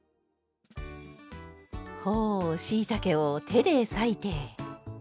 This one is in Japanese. ほうしいたけを手で裂いて。